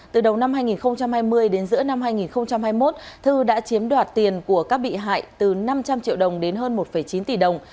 từ đầu năm hai nghìn hai mươi đến giữa năm hai nghìn hai mươi một thư đã chiếm đoạt tiền của các bị hại từ năm trăm linh triệu đồng đến hơn một chín tỷ đồng